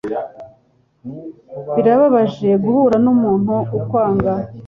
Birababaje guhura n’umuntu ukwanga